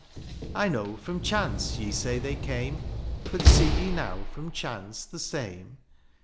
" I know from chance ye say they came; " But see ye now from chance the same